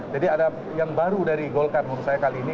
jadi ada yang baru dari golkar menurut saya kali ini